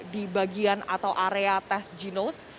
di bagian atau area tes ginos